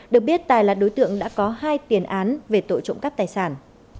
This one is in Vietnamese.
được biết tài là đối tượng đã có hai tiền án về tội trộm cắp tài sản